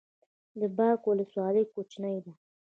د باک ولسوالۍ کوچنۍ ده